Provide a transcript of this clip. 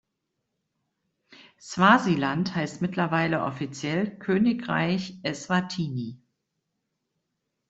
Swasiland heißt mittlerweile offiziell Königreich Eswatini.